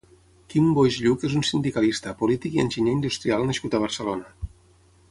Quim Boix Lluch és un sindicalista, polític i enginyer industrial nascut a Barcelona.